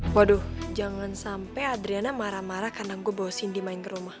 waduh jangan sampai adriana marah marah karena gue bawa cindy main ke rumah